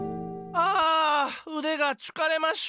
あうでがつかれます。